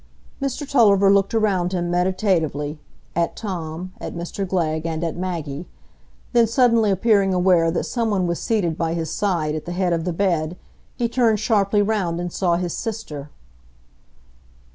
Mr Tulliver looked around him meditatively, at Tom, at Mr Glegg, and at Maggie; then suddenly appearing aware that some one was seated by his side at the head of the bed he turned sharply round and saw his sister.